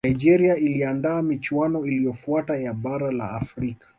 nigeria waliandaa michuano iliyofuatia ya bara la afrika